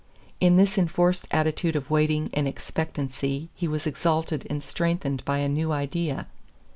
In this enforced attitude of waiting and expectancy he was exalted and strengthened by a new idea.